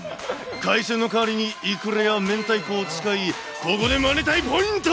海鮮の代わりに、イクラや明太子を使い、ここでマネたいポイント。